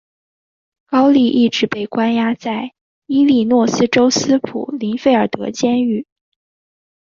高蒂一直被关押在伊利诺斯州斯普林菲尔德监狱。